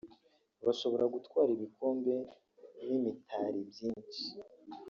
bashobora gutwara ibikombe n’imitari byinshi